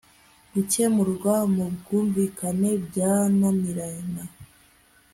gukemurwa mu bwumvikane byananirana